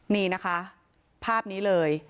นี่นะคะภาพนี้เลย